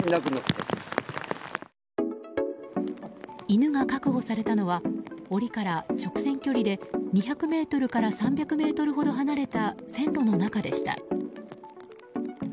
犬が確保されたのは檻から直線距離で２００ｍから３００ｍほど離れた線路の中でした。